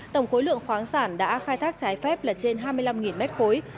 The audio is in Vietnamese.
tổng khối lượng khoáng sản đã khai thác trái phép là trên hai mươi năm mét khối